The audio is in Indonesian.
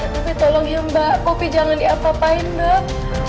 tapi tolong ya mbak poppy jangan diapapain mbak